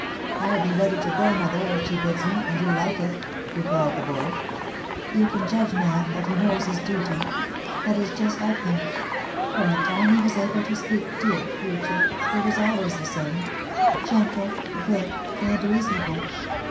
" I be ready to go, mother, if she bids me, and you like it," replied the boy. " You can judge, ma'am, that he knows his duty. That is just like him. From the time he was able to speak, dear creature, it was always the same — gentle, good, and reasonable.